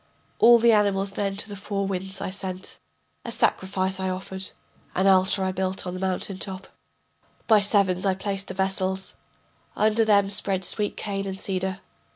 All the animals then to the four winds I sent. A sacrifice I offered, An altar I built on the mountain top, By sevens I placed the vessels, Under them spread sweet cane and cedar.